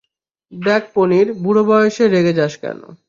দেখ পনির, বুড়ো বয়সে রেগে যাস কেন?